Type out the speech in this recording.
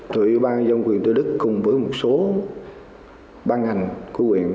tổng ủy ban dân quyền tư đức cùng với một số ban ngành của quyền